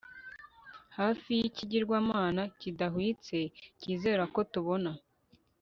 Hafi yikigirwamana kidahwitse twizera ko tubona